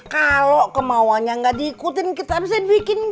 kalau kemauannya enggak diikutin kita bisa dibikin gini